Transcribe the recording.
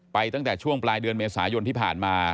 ตั้งแต่ช่วงปลายเดือนเมษายนที่ผ่านมา